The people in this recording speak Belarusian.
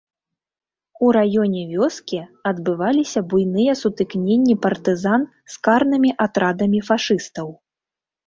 У раёне вёскі адбываліся буйныя сутыкненні партызан з карнымі атрадамі фашыстаў.